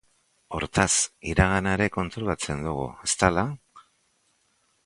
Hortaz, iragana ere kontrolatzen dugu, ez da hala?